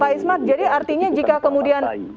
pak ismat jadi artinya jika kemudian